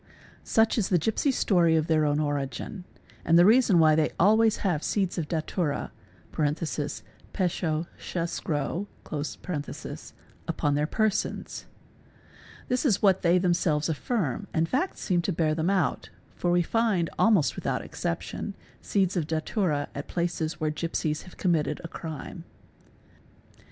Such is the gipsy story of their own origin and the i _ reason why they have always seeds of datwra (peshosheskro) upon their | persons. This is what they themselves affirm and facts seem to bear io them out, for we find, almost without exception, seeds of datura at places ' where gipsies have committed a crime.